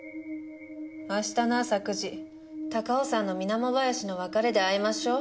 明日の朝９時高尾山の水面林の別れで会いましょう。